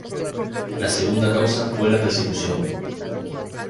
La segunda causa fue la persecución.